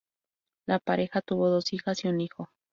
La pareja tuvo dos hijas y un hijo.